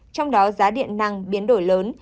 trong đó giá điện năng biến đổi lớn